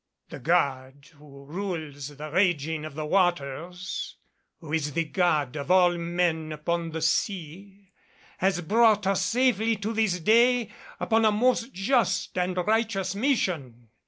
The God who rules the raging of the waters, who is the God of all men upon the sea, has brought us safely to this day upon a most just and righteous mission.